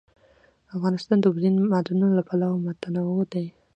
افغانستان د اوبزین معدنونه له پلوه متنوع دی.